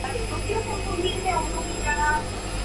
Bo es hijo de padres polacos.